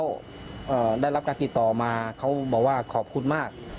ก็ได้รับการติดต่อมาเขาบอกว่าขอบคุณมาก